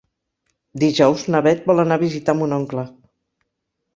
Dijous na Beth vol anar a visitar mon oncle.